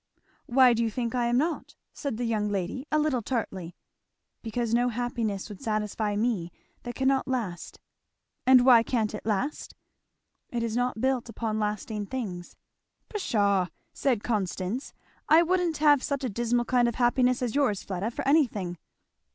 "Why do you think I am not?" said the young lady a little tartly. "Because no happiness would satisfy me that cannot last" "And why can't it last?" "It is not built upon lasting things." "Pshaw!" said Constance, "I wouldn't have such a dismal kind of happiness as yours, Fleda, for anything."